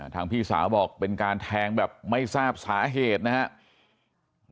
พี่สาวบอกเป็นการแทงแบบไม่ทราบสาเหตุนะครับ